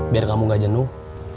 biar kamu gak jenuh